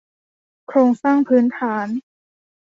โครงสร้างพื้นฐาน